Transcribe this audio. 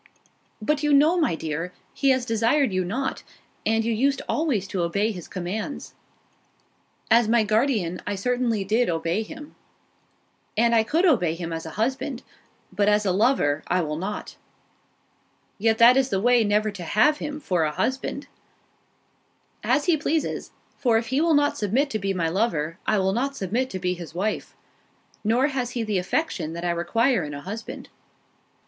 "But you know, my dear, he has desired you not—and you used always to obey his commands." "As my guardian, I certainly did obey him; and I could obey him as a husband; but as a lover, I will not." "Yet that is the way never to have him for a husband." "As he pleases—for if he will not submit to be my lover, I will not submit to be his wife—nor has he the affection that I require in a husband."